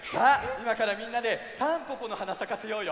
いまからみんなでたんぽぽのはなさかせようよ！